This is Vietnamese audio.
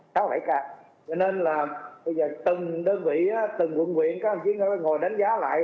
cho nên là bây giờ từng đơn vị từng quận huyện có thể ngồi đánh giá lại